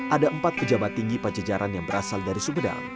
ada empat pejabat tinggi pajajaran yang berasal dari sumedang